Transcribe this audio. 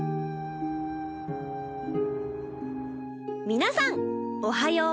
皆さんおはよう。